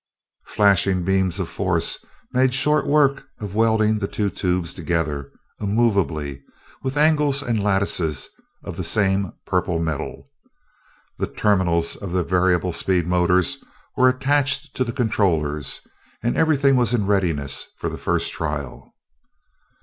Flashing beams of force made short work of welding the two tubes together immovably with angles and lattices of the same purple metal, the terminals of the variable speed motors were attached to the controllers, and everything was in readiness for the first trial.